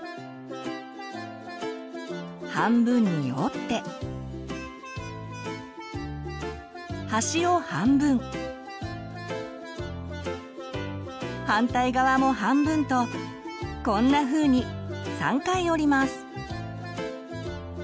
半分に折って端を半分反対側も半分とこんなふうに３回折ります。